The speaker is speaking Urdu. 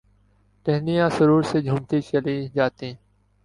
ہہنیاں سرور سے جھومتی چلی جاتیں